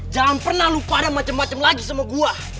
jangan pernah lupa ada macem macem lagi sama gua